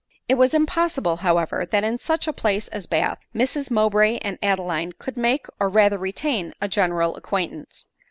It was impossible, however, that in such a place as Bath, Mrs Mowbray and Adeline could make, or rather retain a general acqaintance.